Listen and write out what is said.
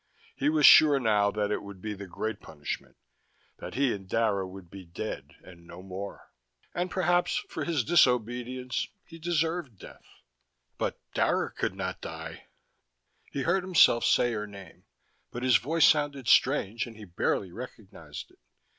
He was sure, now, that it would be the great punishment, that he and Dara would be dead and no more. And perhaps, for his disobedience, he deserved death. But Dara could not die. He heard himself say her name, but his voice sounded strange and he barely recognized it.